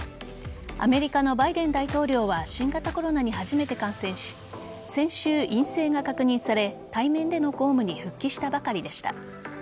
アメリカのバイデン大統領は新型コロナに初めて感染し先週、陰性が確認され対面での公務に復帰したばかりでした。